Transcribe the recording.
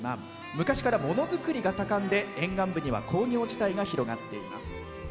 昔から、ものづくりが盛んで沿岸部には工業地帯が広がっています。